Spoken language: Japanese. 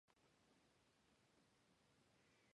大和の木津川の一部分を鴨川といったことがわかりました